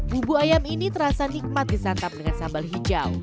bumbu ayam ini terasa nikmat disantap dengan sambal hijau